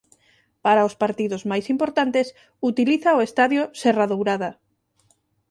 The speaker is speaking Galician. Para os partidos máis importantes utiliza o estadio Serra Dourada.